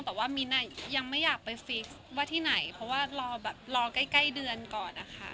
แต่ว่ามิ้นยังไม่อยากไปฟิกว่าที่ไหนเพราะว่ารอแบบรอใกล้เดือนก่อนนะคะ